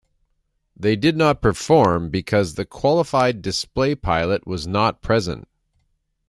They did not perform because the qualified display pilot was not present.